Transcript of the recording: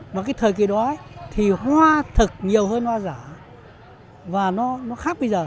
mà thời kỳ đó thì hoa thực nhiều hơn hoa giả và nó khác bây giờ